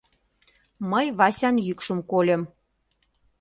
— Мый Васян йӱкшым кольым.